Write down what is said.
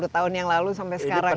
sepuluh tahun yang lalu sampai sekarang